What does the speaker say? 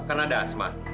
karena ada asma